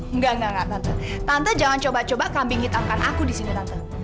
enggak enggak enggak tante tante jangan coba coba kambing hitamkan aku disini tante